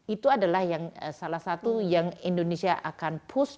itu adalah salah satu yang indonesia akan push